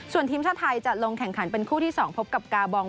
ส่วนทีมชาติไทยจะลงแข่งขันเป็นคู่ที่๒พบกับกาบอง